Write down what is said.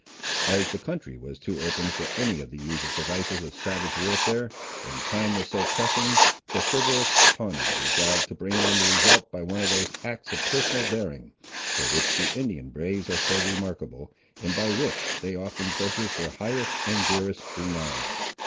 As the country was too open for any of the usual devices of savage warfare, and time was so pressing, the chivalrous Pawnee resolved to bring on the result by one of those acts of personal daring, for which the Indian braves are so remarkable, and by which they often purchase their highest and dearest renown.